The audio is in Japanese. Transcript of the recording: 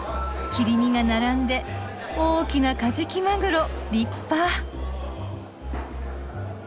切り身が並んで大きなカジキマグロ立派。